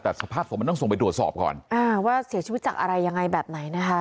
แต่สภาพศพมันต้องส่งไปตรวจสอบก่อนอ่าว่าเสียชีวิตจากอะไรยังไงแบบไหนนะคะ